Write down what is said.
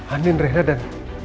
andin rena dan